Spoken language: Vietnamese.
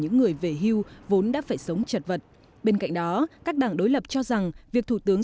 những người về hưu vốn đã phải sống chật vật bên cạnh đó các đảng đối lập cho rằng việc thủ tướng